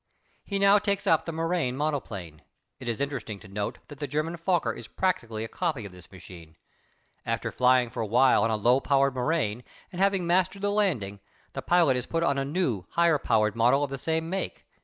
He now takes up the Morane monoplane. It is interesting to note that the German Fokker is practically a copy of this machine. After flying for a while on a low powered Morane and having mastered the landing, the pilot is put on a new, higher powered model of the same make.